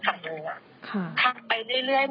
รถเขาก็คือยางแตกแตกก็คือโชค